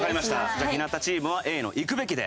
じゃあ日向チームはＡの「行くべき」で。